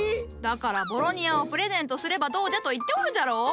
だからボロニアをプレゼントすればどうじゃと言っておるじゃろ？